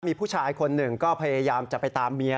มีผู้ชายคนหนึ่งก็พยายามจะไปตามเมีย